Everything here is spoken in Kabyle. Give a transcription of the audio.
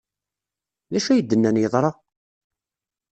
D acu ay d-nnan yeḍra?